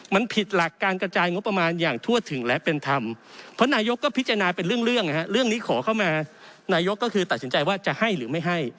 มันผิดหลักการกระจายงบประมาณอย่างทั่วถึงและเป็นธรรมเพราะนายกก็พิจารณาเป็นเรื่องเรื่องนี้ขอเข้ามานายกก็คือตัดสินใจว่าจะให้หรือไม่ให้